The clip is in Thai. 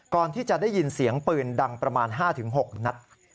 ก่อนที่จะได้ยินเสียงปืนดังประมาณ๕๖นัด